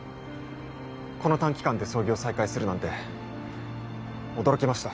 この短期間で操業再開するなんて驚きました